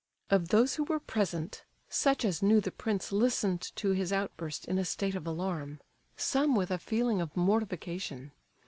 Of those who were present, such as knew the prince listened to his outburst in a state of alarm, some with a feeling of mortification.